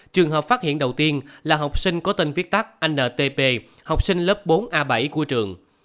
trường hợp phát hiện đầu tiên là học sinh có tên viết tắt ntp học sinh lớp bốn a bảy của trường